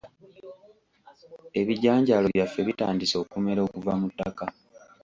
Ebijanjaalo byaffe bitandise okumera okuva mu ttaka.